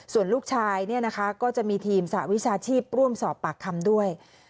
ส่วนลูกชายก็จะมีทีมสหวิชาชีพร่วมสอบปากคำด้วย